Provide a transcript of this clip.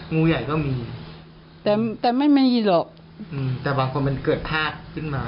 งูใหญ่ก็มีแต่แต่ไม่มีหรอกแต่บางคนมันเกิดธาตุขึ้นมา